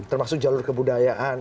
termasuk jalur kebudayaan